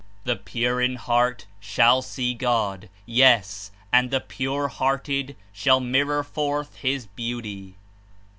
"The pure in heart shall see God," yes — and the pure hearted shall *'MIrror forth his Beauty."